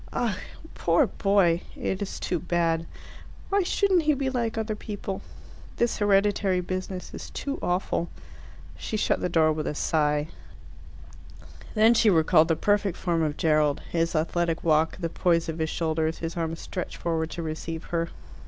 "Ugh! Poor boy! It is too bad. Why shouldn't he be like other people? This hereditary business is too awful." She shut the door with a sigh. Then she recalled the perfect form of Gerald, his athletic walk, the poise of his shoulders, his arms stretched forward to receive her.